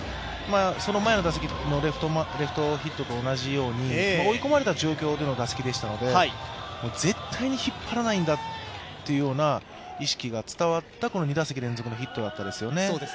その前の打席のレフトヒットと同じように追い込まれたあとの打席でしたので絶対に引っ張らないんだというような意識が伝わった２打席連続のヒットでしたね。